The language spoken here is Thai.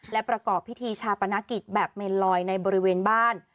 และประกอบพิธีชาปนกิจแบบเมนลอยในบริเวณบ้าน